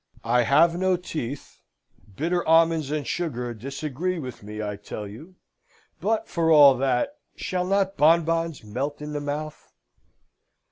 I have no teeth. Bitter almonds and sugar disagree with me, I tell you; but, for all that, shall not bonbons melt in the mouth?